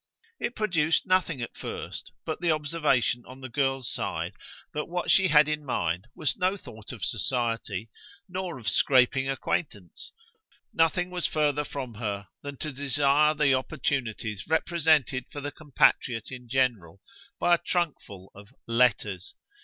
It produced nothing at first but the observation on the girl's side that what she had in mind was no thought of society nor of scraping acquaintance; nothing was further from her than to desire the opportunities represented for the compatriot in general by a trunkful of "letters."